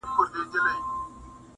پر ټگانو چى يې جوړ طلا باران كړ.!